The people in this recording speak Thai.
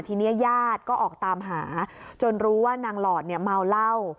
ทีนี้ญาติก็ออกตามหาจนรู้ว่านางหลอดเนี่ยเมาเหล้า